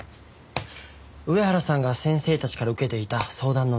上原さんが先生たちから受けていた相談の内容です。